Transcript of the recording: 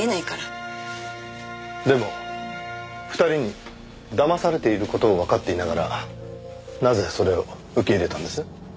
でも２人にだまされている事をわかっていながらなぜそれを受け入れたんです？